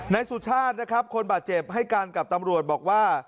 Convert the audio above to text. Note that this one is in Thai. นายสุชาตินะครับคนบาดเจ็บให้การกับตำรวจบอกว่า